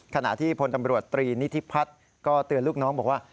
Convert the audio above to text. ขณะที่พลตำรวจตรีนิธิพัฒน์ก็เตือนลูกน้องบอกว่า